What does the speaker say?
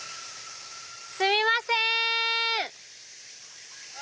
すみません！